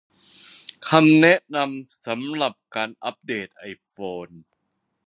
คำแนะนำสำหรับการอัปเดตไอโฟน